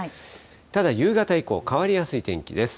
ただ夕方以降、変わりやすい天気です。